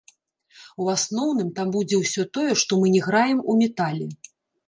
У асноўным, там будзе ўсё тое, што мы не граем у метале.